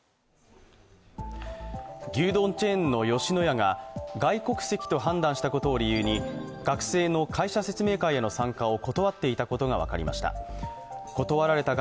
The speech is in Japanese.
牛丼チェーンの吉野家が外国籍と判断したことを理由に学生の会社説明会への参加を断っていたことが分かりました。